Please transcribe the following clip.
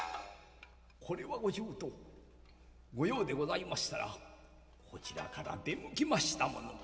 「これはご舅ご用でございましたらこちらから出向きましたものを」。